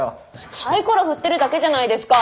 サイコロ振ってるだけじゃないですかー。